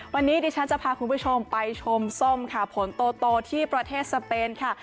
วันนี้ดิฉันจะพาคุณผู้ชมไปชมส้มค่ะผลโตที่ประเทศสเปนค่ะ